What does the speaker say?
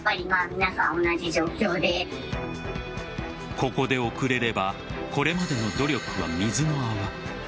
ここで遅れればこれまでの努力は水の泡。